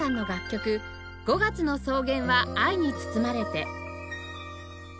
『５月の草原は愛に包まれて』